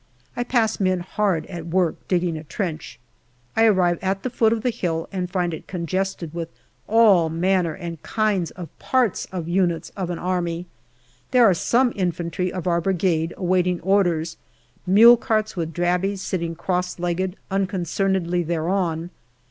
I pass men hard at work digging a trench. I arrive at the foot of the hill and find it con gested with all manner and kinds of parts of units of an army. There are some infantry of our Brigade awaiting orders mule carts with Drabis sitting cross legged un concernedly thereon.